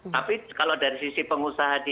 tapi kalau dari sisi pengusaha di